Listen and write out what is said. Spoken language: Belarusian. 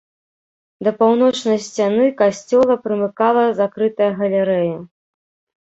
Да паўночнай сцяны касцёла прымыкала закрытая галерэя.